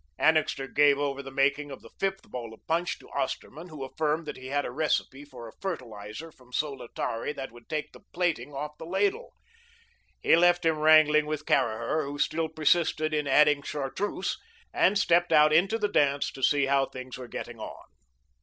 Annixter gave over the making of the fifth bowl of punch to Osterman, who affirmed that he had a recipe for a "fertiliser" from Solotari that would take the plating off the ladle. He left him wrangling with Caraher, who still persisted in adding chartreuse, and stepped out into the dance to see how things were getting on.